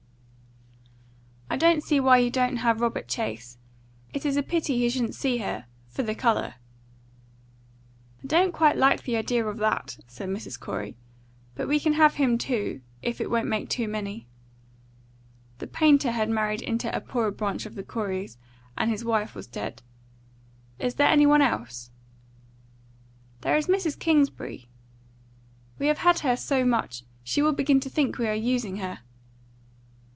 "I don't see why you don't have Robert Chase. It is a pity he shouldn't see her for the colour." "I don't quite like the idea of that," said Mrs. Corey; "but we can have him too, if it won't make too many." The painter had married into a poorer branch of the Coreys, and his wife was dead. "Is there any one else?" "There is Miss Kingsbury." "We have had her so much. She will begin to think we are using her."